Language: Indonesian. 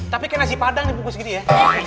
tapi kayak nasi padang dibungkus gitu ya